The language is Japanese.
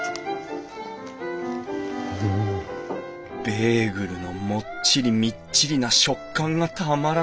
ベーグルのもっちりみっちりな食感がたまらない！